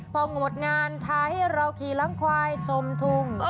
พอหมดงานทาให้เราขี่ล้างควายสมทุ่ง